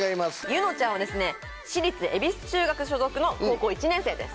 ゆのちゃんはですね私立恵比寿中学所属の高校１年生です。